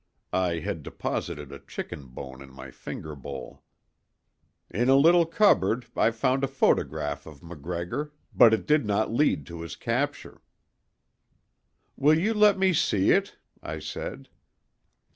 I had deposited a chicken bone in my finger bowl. "In a little cupboard I found a photograph of MacGregor, but it did not lead to his capture." "Will you let me see it?" I said.